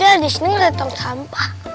besernya disini ada tong sampah